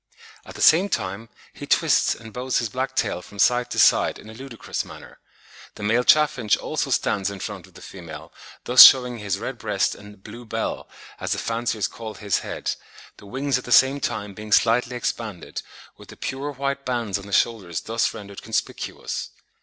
At the same time he twists and bows his black tail from side to side in a ludicrous manner. The male chaffinch also stands in front of the female, thus shewing his red breast and "blue bell," as the fanciers call his head; the wings at the same time being slightly expanded, with the pure white bands on the shoulders thus rendered conspicuous.